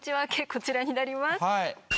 こちらになります。